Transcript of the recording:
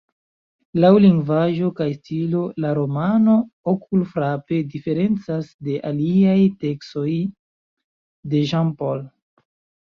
Laŭ lingvaĵo kaj stilo la romano okulfrape diferencas de aliaj tekstoj de Jean Paul.